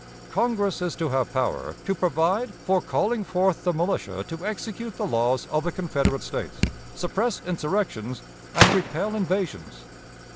Congress is to have power 'to provide for calling forth the militia to execute the laws of the Confederate States, suppress insurrections, and repel invasions.'